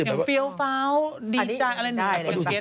อย่างเฟียวเฟ้าดีจังอะไรอย่างนี้